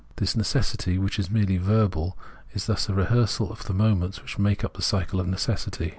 This necessity, which is merely verbal, is thus a rehearsal of the moments which make up the cycle of necessity.